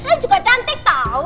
saya juga cantik tau